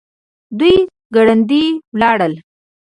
دوی ګړندي ولاړل.